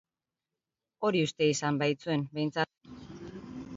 Hori uste izan baitzuen, behintzat.